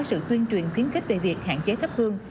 sự tuyên truyền khuyến khích về việc hạn chế thắp hương